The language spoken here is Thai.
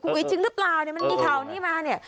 อุ๋ยจริงหรือเปล่าเนี่ยมันมีข่าวนี้มาเนี่ย